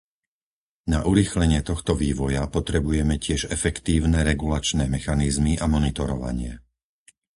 Na urýchlenie tohto vývoja potrebujeme tiež efektívne regulačné mechanizmy a monitorovanie.